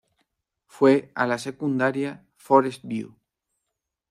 Fue a la secundaria Forest View.